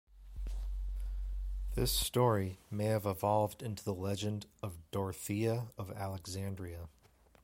This story may have evolved into the legend of Dorothea of Alexandria.